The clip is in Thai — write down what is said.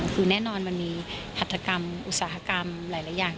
คือแน่นอนมันมีหัตถกรรมอุตสาหกรรมหลายอย่าง